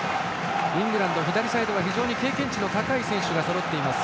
イングランドは左サイドに経験値の高い選手がそろっています。